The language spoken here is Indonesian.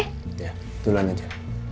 ya duluan aja